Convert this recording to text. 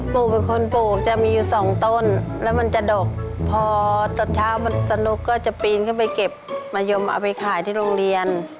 ลูกเป็นคนปลูกจะมีอยู่สองต้นแล้วมันจะดกพอตอนเช้ามันสนุกก็จะปีนขึ้นไปเก็บมะยมเอาไปขายที่โรงเรียน